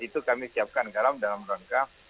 itu kami siapkan dalam rangka